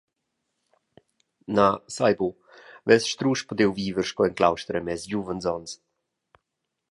Na, sai buc, vess strusch pudiu viver sco en claustra en mes giuvens onns.